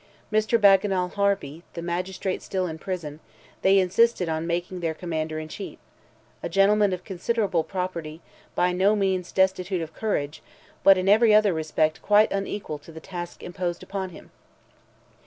Mr. Bagenal Harvey, the magistrate still in prison, they insisted on making their Commander in Chief; a gentleman of considerable property, by no means destitute of courage, but in every other respect quite unequal to the task imposed upon him.